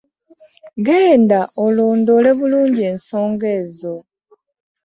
genda olondoole bulungi ensonga ezo.